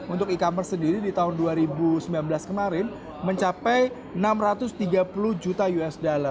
untuk e commerce sendiri di tahun dua ribu sembilan belas kemarin mencapai enam ratus tiga puluh juta usd